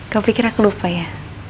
kau pikir aku lupa ya